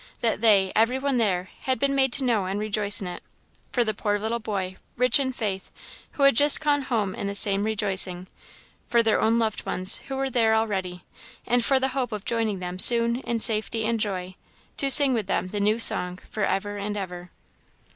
that they, every one there, had been made to know and rejoice in it; for the poor little boy, rich in faith, who had just gone home in the same rejoicing; for their own loved ones who were there already; and for the hope of joining them soon in safety and joy, to sing with them the "new song" for ever and ever.